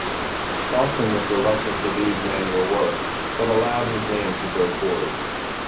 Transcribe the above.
Lawson was reluctant to leave manual work, but allowed his name to go forward.